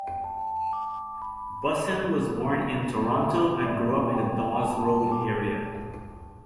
Bussin was born in Toronto and grew up in the Dawes Road area.